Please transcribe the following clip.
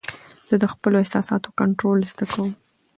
زه د خپلو احساساتو کنټرول زده کوم.